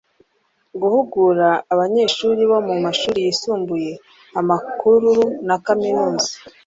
guhugura abanyeshuri bo mu mashuri yisumbuye amakuru na kaminuza